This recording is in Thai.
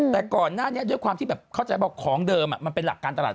แต่ก่อนหน้านี้ด้วยความที่แบบเข้าใจว่าของเดิมมันเป็นหลักการตลาด